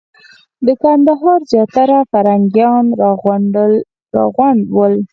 د کندهار زیاتره فرهنګیان راغونډ ول.